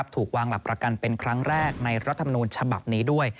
ถูกวางหลักประกันเป็นครั้งแรกในรัฐมนูญฉบับนี้ด้วย